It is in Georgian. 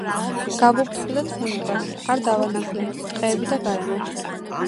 გავუფრთხილდეთ ბუნებას, არ დავანაგვიანოთ ტყეები და გარემო